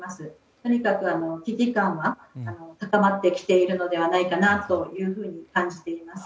とにかく危機感は高まってきているのではないかと感じています。